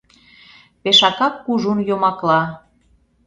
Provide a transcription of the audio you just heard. Пешакак кужун йомакла.